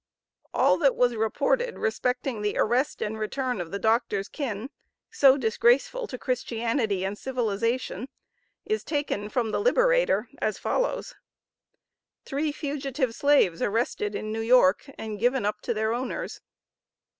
All that was reported respecting the arrest and return of the Doctor's kin, so disgraceful to Christianity and civilization, is taken from the Liberator, as follows: THREE FUGITIVE SLAVES ARRESTED IN NEW YORK, AND GIVEN UP TO THEIR OWNERS.